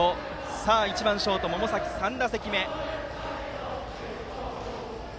さあ、１番ショート百崎の３打席目。